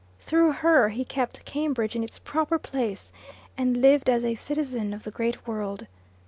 Through her he kept Cambridge in its proper place, and lived as a citizen of the great world.